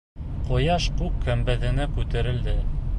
Ҡояш күк көмбәҙенә күтәрелде.